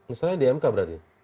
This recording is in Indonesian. misalnya di mk berarti